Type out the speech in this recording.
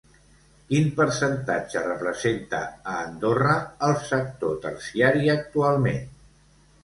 Quin percentatge representa a Andorra el sector terciari actualment?